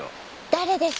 誰です？